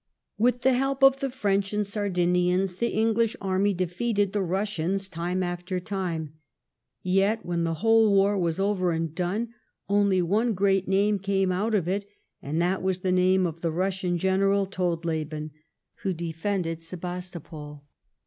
With the help of the French and the Sardinians, the English army defeated the Russians time after time. Yet, when the whole war was over and done, only one great name came out of it, and that was the name of the Russian general, Todleben, who defended Sebastopol.